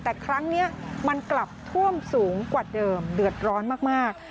แต่ครั้งนี้มันกลับท่วมสูงกว่าเดิมเดือดร้อนมาก